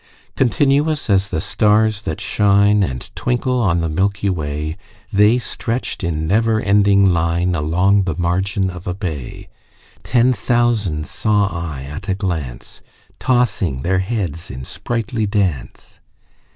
Continuous as the stars that shine And twinkle on the milky way, The stretched in never ending line Along the margin of a bay: Ten thousand saw I at a glance, Tossing their heads in sprightly dance.